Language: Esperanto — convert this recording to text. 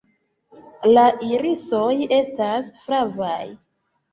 La irisoj estas flavaj.